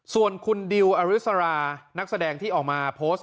ส่วนคุณดิวอริสรานักแสดงที่ออกมาโพสต์